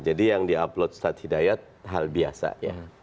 jadi yang di upload saat hidayat hal biasa ya